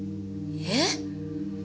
えっ？